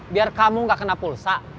biar kamu gak kena pulsa